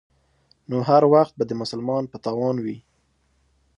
نو هر وخت به د مسلمان په تاوان وي.